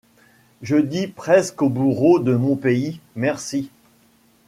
Je dis presque aux bourreaux de mon pays. : merci !